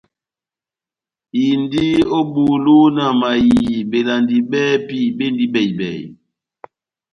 Indi ó bulu na mayiii belandi bɛ́hɛ́pi bendi bɛhi-bɛhi.